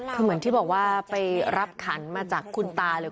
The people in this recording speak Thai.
คือเหมือนที่บอกว่าไปรับขันมาจากคุณตาเลย